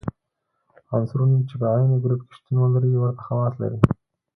عنصرونه چې په عین ګروپ کې شتون ولري ورته خواص لري.